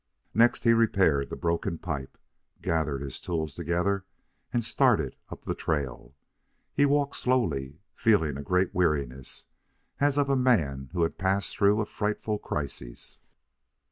Next he repaired the broken pipe, gathered his tools together, and started up the trail. He walked slowly, feeling a great weariness, as of a man who had passed through a frightful crisis.